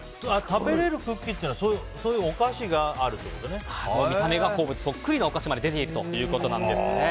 食べれるクッキーというのはそういうお菓子が見た目が鉱物そっくりのお菓子まで出ているということです。